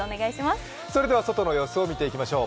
それでは外の様子を見ていきましょう。